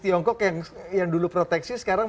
tiongkok yang dulu proteksi sekarang